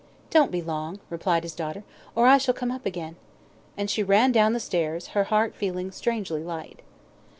"Don't be long," replied his daughter, "or I shall come up again," and she ran down the stairs, her heart feeling strangely light.